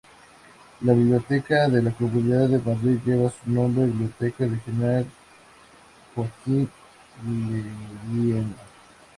La biblioteca de la Comunidad de Madrid lleva su nombre: Biblioteca Regional Joaquín Leguina.